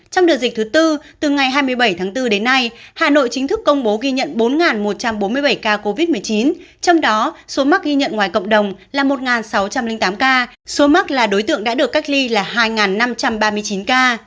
trong đợt dịch thứ tư từ ngày hai mươi bảy tháng bốn đến nay hà nội chính thức công bố ghi nhận bốn một trăm bốn mươi bảy ca covid một mươi chín trong đó số mắc ghi nhận ngoài cộng đồng là một sáu trăm linh tám ca số mắc là đối tượng đã được cách ly là hai năm trăm ba mươi chín ca